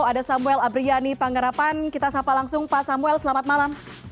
ada samuel abriani pangerapan kita sapa langsung pak samuel selamat malam